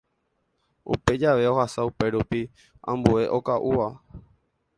Upe jave ohasa upérupi ambue okaʼúva.